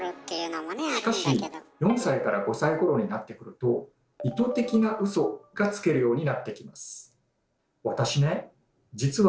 しかし４歳５歳ごろになってくると「意図的なウソ」がつけるようになってきます。